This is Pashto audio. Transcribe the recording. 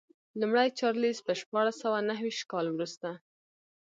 لومړی چارلېز په شپاړس سوه نهویشت کال وروسته.